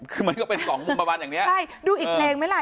คือมันก็เป็นสองมุมประมาณอย่างเนี้ยใช่ดูอีกเพลงไหมล่ะ